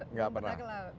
nggak pernah ke laut